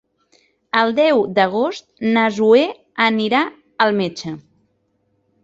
El deu d'agost na Zoè anirà al metge.